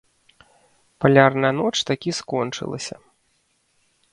Палярная ноч такі скончылася.